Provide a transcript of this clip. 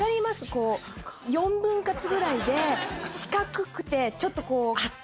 こう４分割ぐらいで四角くてちょっとこうね